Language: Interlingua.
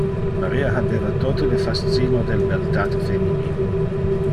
Maria habeva tote le le fascino del beltate feminin.